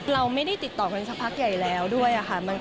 เราไม่ได้ติดต่อกันสักพักใหญ่แล้วด้วยค่ะ